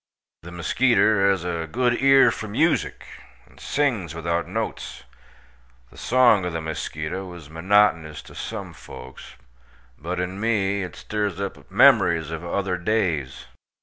The muskeeter haz a good ear for musik, and sings without notes. The song ov the muskeeto iz monotonous to sum folks, but in me it stirs up the memorys ov other days.